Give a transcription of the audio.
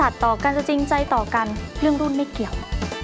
ต่อกันจะจริงใจต่อกันเรื่องรุ่นไม่เกี่ยว